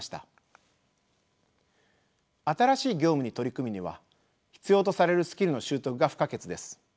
新しい業務に取り組むには必要とされるスキルの習得が不可欠です。